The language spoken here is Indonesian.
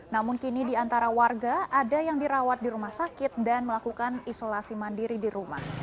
namun kini di antara warga ada yang dirawat di rumah sakit dan melakukan isolasi mandiri di rumah